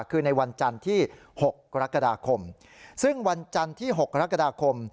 คือในวันจันทร์ที่๖กรกฎาคมซึ่งวันจันทร์ที่๖กรกฎาคม